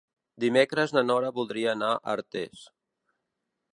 Dimecres na Nora voldria anar a Artés.